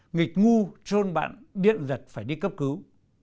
nghịch ngu trôn bạn điện giật phải đi cấp cứu